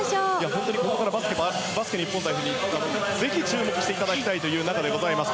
本当に、ここからバスケ日本代表にぜひ注目していただきという中でございます。